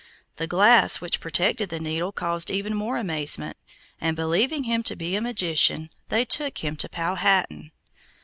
The glass which protected the needle caused even more amazement, and, believing him to be a magician, they took him to Powhatan.